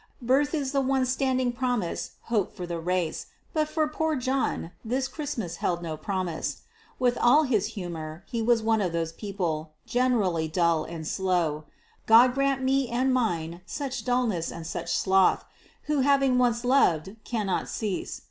Birth is the one standing promise hope for the race, but for poor John this Christmas held no promise. With all his humour, he was one of those people, generally dull and slow God grant me and mine such dullness and such sloth who having once loved, cannot cease.